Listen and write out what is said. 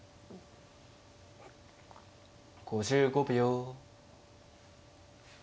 ５５秒。